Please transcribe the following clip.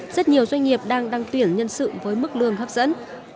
rất nhiều doanh nghiệp đang đăng tuyển nhân sự với mức lương hấp dẫn